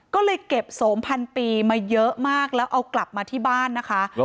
ก็เลยเก็บโสมพันปีมาเยอะมากแล้วเอากลับมาที่บ้านนะคะ